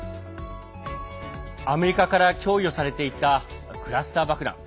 アメリカから供与されていたクラスター爆弾。